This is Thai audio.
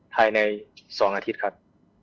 ภายใน๒อาทิตย์ครับ